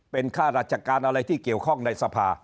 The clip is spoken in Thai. เป็นค่าราชการอะไรที่เกี่ยวข้องในสภา